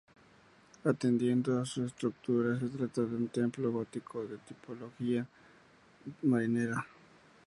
Atendiendo a su estructura se trata de un templo gótico de tipología marinera.